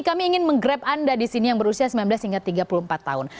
kami ingin menggrab anda di sini yang berusia sembilan belas hingga tiga puluh empat tahun